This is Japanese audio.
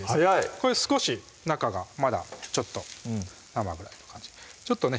これで少し中がまだちょっと生ぐらいの感じでちょっとね